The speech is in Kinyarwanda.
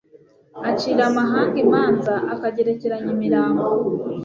Acira amahanga imanza akagerekeranya imirambo